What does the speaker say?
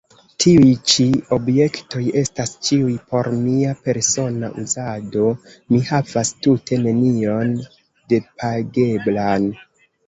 Tiuj ĉi objektoj estas ĉiuj por mia persona uzado; mi havas tute nenion depageblan.